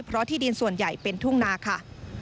เพราะที่ดินส่วนใหญ่เป็นทุ่งนาค่ะ